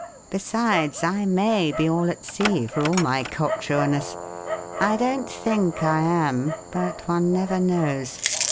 Besides, I may be all at sea, for all my cocksureness. I don't think I am, but one never knows.